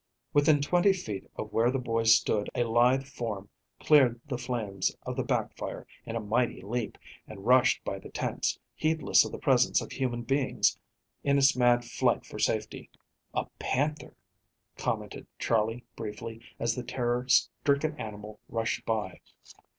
Within twenty feet of where the boys stood a lithe form cleared the flames of the back fire in a mighty leap, and rushed by the tents, heedless of the presence of human beings in its mad flight for safety. "A panther," commented Charley briefly, as the terror stricken animal rushed by.